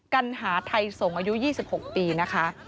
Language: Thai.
กัญหาไทยส่งอายุ๒๖ปีนะคะ